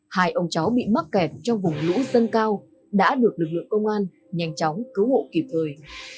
hai ông cháu bị mắc kẹt trong vùng lũ dâng cao đã được lực lượng công an nhanh chóng cứu hộ kịp thời